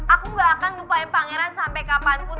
aku gak akan lupain pangeran sampai kapanpun